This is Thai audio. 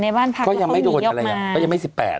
ในบ้านพักลูยังไม่ยอดนะยังไม่๑๘